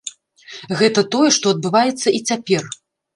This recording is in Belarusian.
Гэта тое, што адбываецца і цяпер.